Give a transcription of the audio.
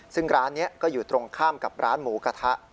ซึ่งร้านนี้ก็อยู่ตรงข้ามกับร้านหมูกระทะ